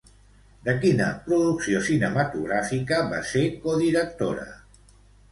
De quina producció cinematogràfica va ser codirectora?